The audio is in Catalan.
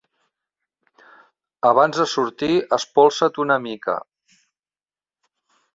Abans de sortir, espolsa't una mica.